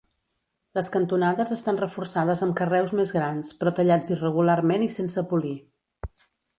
Les cantonades estan reforçades amb carreus més grans, però tallats irregularment i sense polir.